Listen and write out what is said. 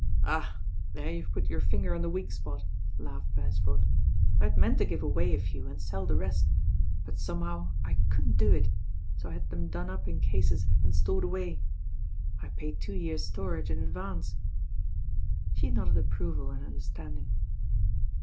"Ahl there you've put your finger on the weak spot," laughed Beresford. "I had meant to give away a few and sell the rest; but somehow I couldn't do it, so I had them done up in cases and stored away. I paid two years' storage in advance." She nodded approval and understanding.